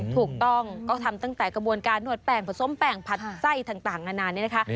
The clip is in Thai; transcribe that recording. ถูกต้องก็ทำตั้งแต่กระบวนการนวดแป้งผสมแป้งผัดไส้ต่างนานนี้นะคะ